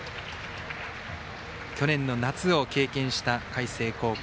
去年の夏を経験した海星高校。